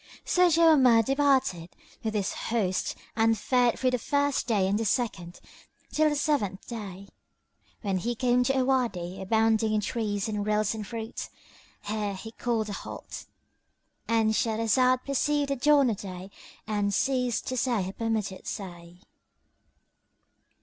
So Jawamard departed with his host and fared through the first day and the second till the seventh day, when he came to a Wady abounding in trees and rills and fruits. Here he called a halt — And Shahrazad perceived the dawn of day and ceased to say her permitted say.